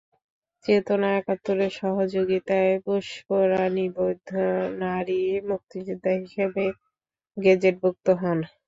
চেতনা একাত্তরের সহযোগিতায় পুষ্প রানী বৈদ্য নারী মুক্তিযোদ্ধা হিসেবে গেজেটভুক্ত হন।